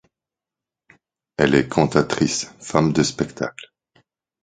Elle est cantatrice, femme de spectacle.